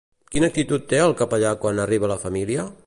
Quina actitud té el capellà quan arriba la família?